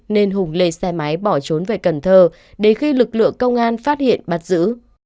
nên hùng lên xe máy bỏ trốn về cần thơ đến khi lực lượng công an phát hiện bắt giữ